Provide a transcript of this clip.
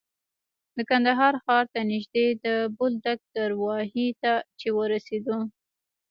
د کندهار ښار ته نژدې د بولدک دوراهي ته چې ورسېدو.